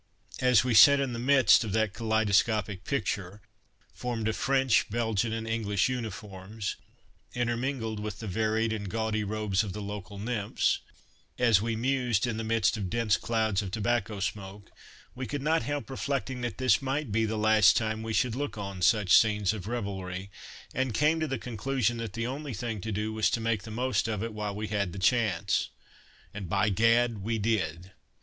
As we sat in the midst of that kaleidoscopic picture, formed of French, Belgian and English uniforms, intermingled with the varied and gaudy robes of the local nymphs; as we mused in the midst of dense clouds of tobacco smoke, we could not help reflecting that this might be the last time we should look on such scenes of revelry, and came to the conclusion that the only thing to do was to make the most of it while we had the chance. And, by Gad, we did....